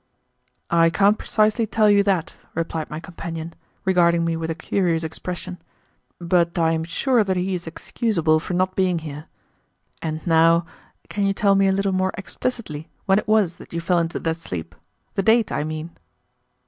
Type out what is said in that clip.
"I can't precisely tell you that," replied my companion, regarding me with a curious expression, "but I am sure that he is excusable for not being here. And now can you tell me a little more explicitly when it was that you fell into that sleep, the date, I mean?"